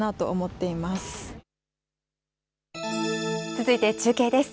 続いて中継です。